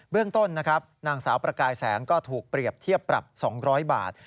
เรื่องต้นนะครับนางสาวประกายแสงก็ถูกเปรียบเทียบปรับ๒๐๐บาท